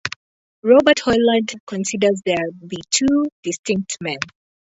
Robert Hoyland considers there to be two distinct men.